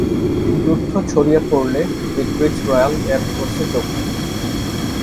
যুদ্ধ ছড়িয়ে পড়লে এডরিচ রয়্যাল এয়ার ফোর্সে যোগ দেন।